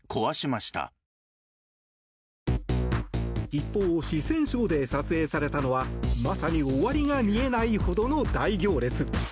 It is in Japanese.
一方、四川省で撮影されたのはまさに終わりが見えないほどの大行列。